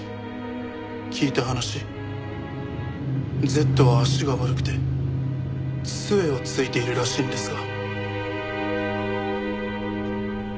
聞いた話Ｚは足が悪くて杖をついているらしいんですが。